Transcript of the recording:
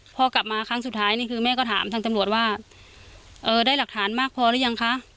พอกลับมาครั้งสุดท้ายนี่คือแม่ก็ถามทางตำรวจว่าได้หลักฐานมากพอหรือยังคะ